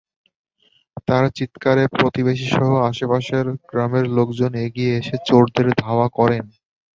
তাঁর চিৎকারে প্রতিবেশীসহ আশপাশের গ্রামের লোকজন এগিয়ে এসে চোরদের ধাওয়া করেন।